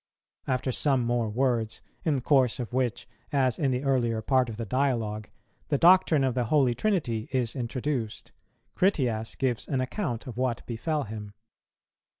After some more words, in course of which, as in the earlier part of the dialogue, the doctrine of the Holy Trinity is introduced, Critias gives an account of what befell him.